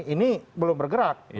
ini belum bergerak